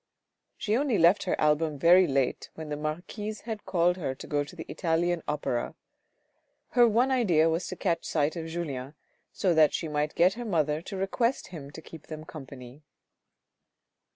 She only left her album very late when the marquise had her called to go to the Italian Opera. Her one idea was to catch sight of Julien, so that she might get her mother to request him to keep them company.